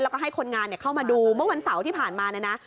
แล้วก็ให้คนงานเข้ามาดูเมื่อวันเสาร์ที่ผ่านมาเนี่ยนะ